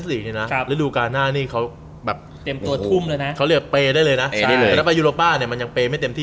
เมื่อไปยุโรปามันยังเปร่งไม่เต็มที่